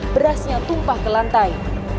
berasnya tumpah ke lantai